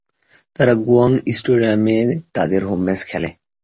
তারা গোয়াং স্টেডিয়ামে তাদের হোম ম্যাচ খেলে।